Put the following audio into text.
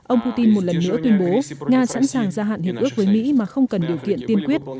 ông putin một lần nữa tuyên bố nga sẵn sàng gia hạn hiệp ước với mỹ mà không cần điều kiện tiên quyết